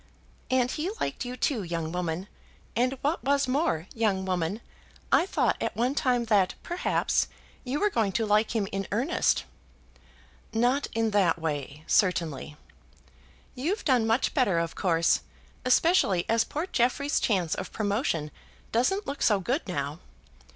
"And he liked you too, young woman; and, what was more, young woman, I thought at one time that, perhaps, you were going to like him in earnest." "Not in that way, certainly." "You've done much better, of course; especially as poor Jeffrey's chance of promotion doesn't look so good now.